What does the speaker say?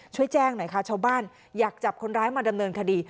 ช่วยแจ้งหน่อยค่ะชาวบ้านอยากจับคนร้ายมาดำเนินคดี